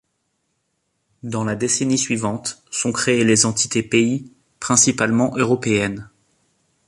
Dans la décennie suivante sont créées les entités pays, principalement européennes.